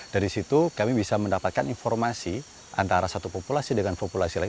dari situ kami bisa mendapatkan informasi antara satu populasi dengan populasi lain